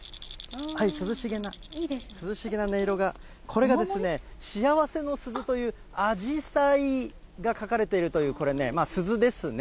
涼しげな音色が、これがですね、幸せの鈴というあじさいが描かれているというね、これね、鈴ですね。